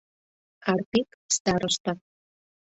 Арпик, староста.